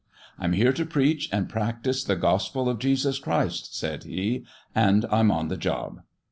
" I'm here to preach and practice the Gospel of Jesus Christ," said he ;" and I'm on the job!"